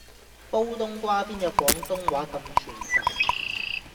煲東瓜邊有廣東話咁傳神